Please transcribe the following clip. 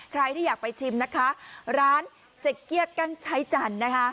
ใครที่อยากไปชิมนะคะร้านเสกเกี้ยกั้งใช้จันทร์นะคะ